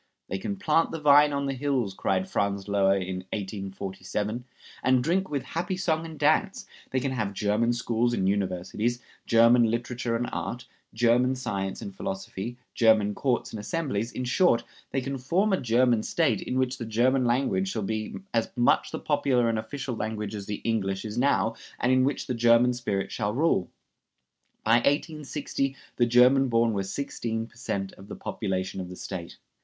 "They can plant the vine on the hills," cried Franz Löher in 1847, "and drink with happy song and dance; they can have German schools and universities, German literature and art, German science and philosophy, German courts and assemblies; in short, they can form a German State, in which the German language shall be as much the popular and official language as the English is now, and in which the German spirit shall rule." By 1860 the German born were sixteen per cent of the population of the State.